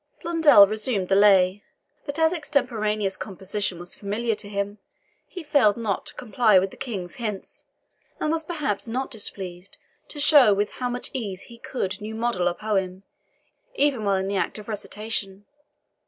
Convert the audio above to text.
Blondel resumed the lay; but as extemporaneous composition was familiar to him, he failed not to comply with the King's hints, and was perhaps not displeased to show with how much ease he could new model a poem, even while in the act of recitation.